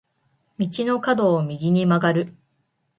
道の角を右に曲がる。